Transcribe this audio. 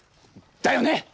だよね！